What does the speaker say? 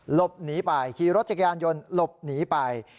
หลบหนีไปขี่รถจักรยานยนต์หลบหนีไป